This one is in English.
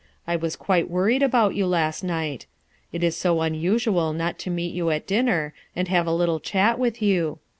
"I was quite worried about you last night. It is so unusual not to meet you at dinner and have a little chat with you.